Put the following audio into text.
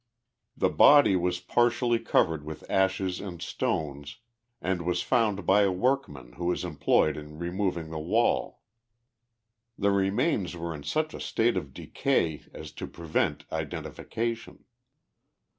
The body was partially covered with ashes and stones, and was found by a workman, who was employed in removing^he wall. The remains were in such a state of decay as to prevent identification.